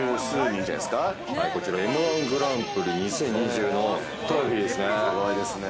こちら、Ｍ−１グランプリ２０２０年、トロフィーですね。